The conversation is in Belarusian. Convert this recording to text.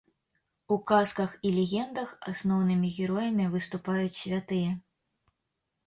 У казках і легендах асноўнымі героямі выступаюць святыя.